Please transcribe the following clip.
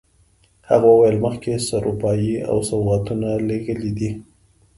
هغه وویل مخکې سروپايي او سوغاتونه لېږلي دي.